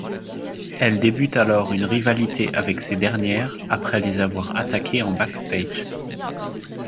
Elles débutent alors une rivalité avec ces dernières après les avoir attaquées en backstage.